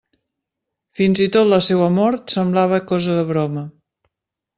Fins i tot la seua mort semblava cosa de broma.